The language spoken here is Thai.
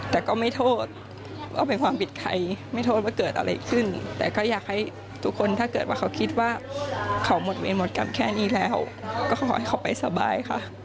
แต่ก็ไม่โทษว่าเป็นความผิดใครไม่โทษว่าเกิดอะไรขึ้นแต่ก็อยากให้ทุกคนถ้าเกิดว่าเขาคิดว่าเขาหมดเวรหมดกรรมแค่นี้แล้วก็ขอให้เขาไปสบายค่ะ